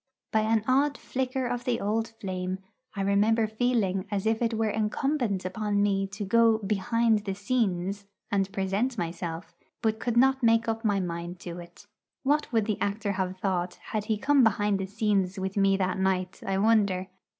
By an odd flicker of the old flame, I remember feeling as if it were incumbent upon me to go 'behind the scenes' and present myself, but could not make up my mind to it. What would the actor have thought had he come behind the scenes with me that night, I wonder!